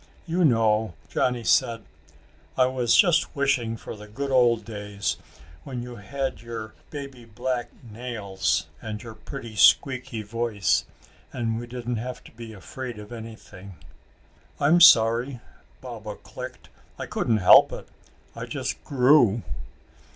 "You know," Johnny said, "I was just wishing for the good old days when you had your baby black nails and your pretty squeaky voice, and we didn't have to be afraid of anything." "I'm sorry," Baba clicked. "I couldn't help it. I just grew."